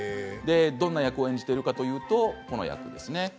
どんな役を演じているのかというとこの役です。